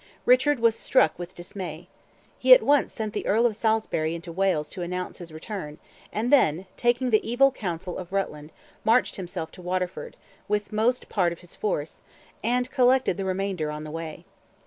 Richard was struck with dismay. He at once sent the Earl of Salisbury into Wales to announce his return, and then, taking the evil counsel of Rutland, marched himself to Waterford, with most part of his force, and collected the remainder on the way.